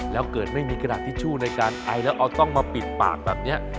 แล้วเกิดไม่มีกระดาษทิชชู่ในการไอแล้วเอาต้องมาปิดปากแบบนี้